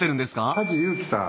梶裕貴さん。